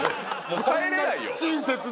もう帰れないよ